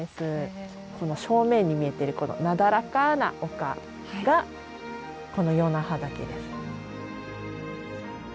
この正面に見えてるこのなだらかな丘がこの与那覇岳です。